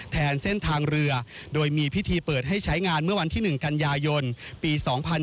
แทนเส้นทางเรือโดยมีพิธีเปิดให้ใช้งานเมื่อวันที่๑กันยายนปี๒๕๕๙